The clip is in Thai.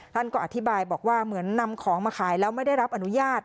ท่านก็อธิบายบอกว่าเหมือนนำของมาขายแล้วไม่ได้รับอนุญาต